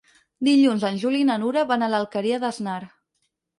Dilluns en Juli i na Nura van a l'Alqueria d'Asnar.